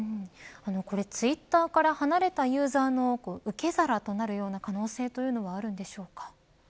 ツイッターから離れたユーザーの受け皿となるような可能性というのはあるのでしょうか。